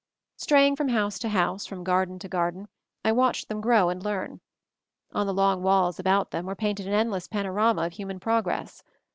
Straying from house to house, from garden to garden, I watched them grow and learn. On the long walls about them were painted an endless panorama of hu man progress.